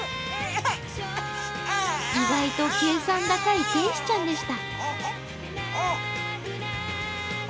意外と計算高い天使ちゃんでした。